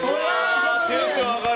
テンション上がる。